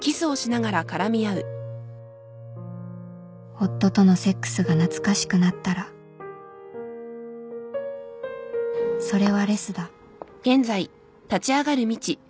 夫とのセックスが懐かしくなったらそれはレスだ